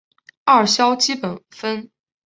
二硝基苯酚